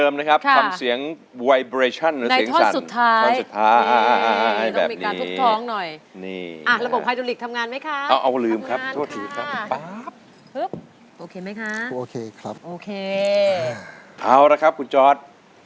เอาละครับคุณจอร์ด